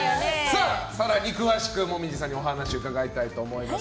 更に詳しく紅葉さんにお話伺いたいと思います。